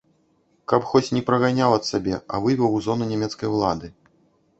Каб хоць не праганяў ад сябе, а вывеў у зону нямецкай улады.